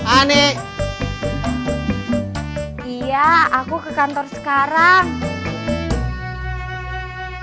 aneh iya aku ke kantor sekarang